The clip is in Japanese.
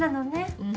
うん。